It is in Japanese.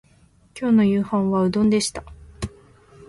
今日の夕飯はうどんでした